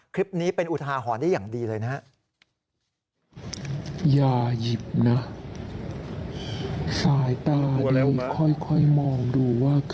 คลิปนี้เป็นอุทาหรณ์ได้อย่างดีเลยนะครับ